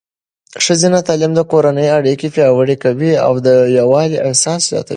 ښځینه تعلیم د کورنۍ اړیکې پیاوړې کوي او د یووالي احساس زیاتوي.